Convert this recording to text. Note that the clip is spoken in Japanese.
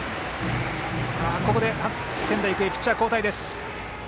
ここで仙台育英ピッチャー交代です。